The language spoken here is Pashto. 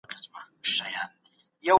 کتابتونونو ته ځوانان تلل.